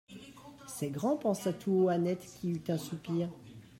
C'est grand,» pensa tout haut Annette qui eut un soupir.